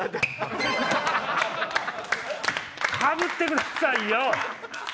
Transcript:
かぶってくださいよ！